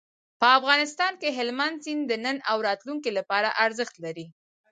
په افغانستان کې هلمند سیند د نن او راتلونکي لپاره ارزښت لري.